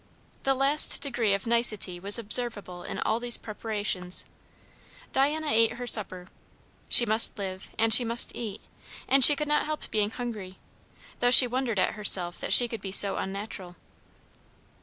The last degree of nicety was observable in all these preparations. Diana ate her supper. She must live, and she must eat, and she could not help being hungry; though she wondered at herself that she could be so unnatural.